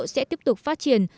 sẽ tiếp tục phát triển